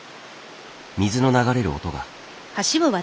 水の流れる音が。